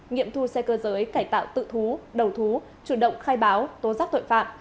nghiệm thu xe cơ giới cải tạo tự thú đầu thú chủ động khai báo tố rắc tội phạm